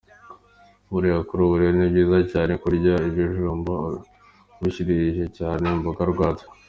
Buriya kuri ibi rero ni byiza cyane kurya ibijumba ubirishije cyane imboga rwatsi.